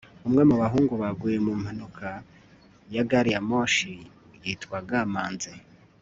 umwe mu bahungu baguye mu mpanuka ya gari ya moshi yitwaga manzi